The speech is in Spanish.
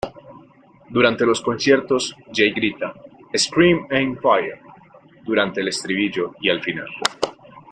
Durante los conciertos, Jay grita "Scream Aim Fire" durante el estribillo y al final.